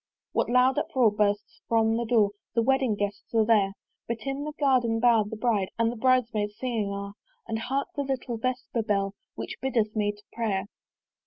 What loud uproar bursts from that door! The Wedding guests are there; But in the Garden bower the Bride And Bride maids singing are: And hark the little Vesper bell Which biddeth me to prayer.